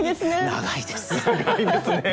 長いですね。